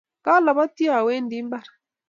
Kalabati awendi mbar